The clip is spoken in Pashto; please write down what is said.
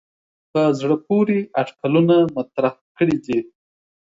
په زړه پورې اټکلونه مطرح کړي دي.